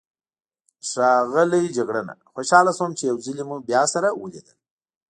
ښاغلی جګړنه، خوشحاله شوم چې یو ځلي مو بیا سره ولیدل.